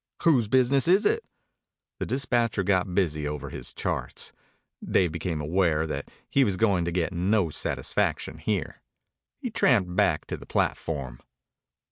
"Whose business is it?" The dispatcher got busy over his charts. Dave became aware that he was going to get no satisfaction here. He tramped back to the platform.